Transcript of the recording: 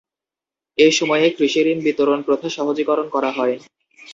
এ সময়ে কৃষিঋণ বিতরণ প্রথা সহজীকরণ করা হয়।